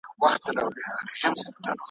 خو یوه ورځ به درته په کار سم ,